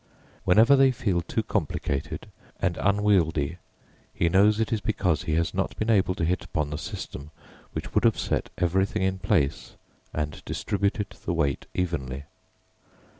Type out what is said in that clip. Whenever they feel too complicated and unwieldy, he knows it is because he has not been able to hit upon the system which would have set everything in place and distributed the weight evenly.